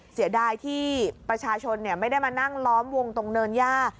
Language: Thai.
เสียดายที่ประชาชนไม่ได้มานั่งล้อมวงตรงเนินย่า